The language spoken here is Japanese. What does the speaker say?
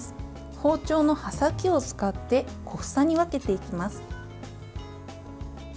包丁の刃先を使って小房に分けていきます。